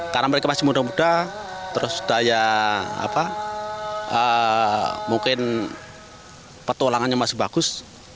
karena mereka masih muda muda terus daya mungkin petualangannya masih bagus